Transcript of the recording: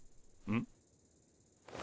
うん。